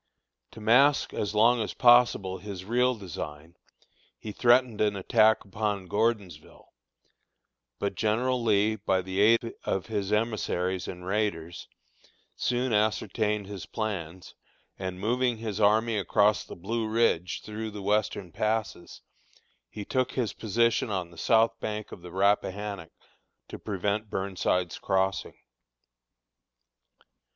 To mask as long as possible his real design, he threatened an attack upon Gordonsville; but General Lee, by the aid of his emissaries and raiders, soon ascertained his plans, and moving his army across the Blue Ridge, through the western passes, he took his position on the south bank of the Rappahannock, to prevent Burnside's crossing.